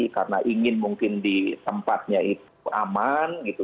karena ingin mungkin di tempatnya itu aman gitu